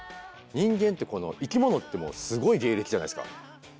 人間ってこの生き物ってもうすごい芸歴じゃないですか。